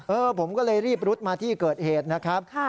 ผมก็เลยรีบรุดมาที่เกิดเหตุนะครับ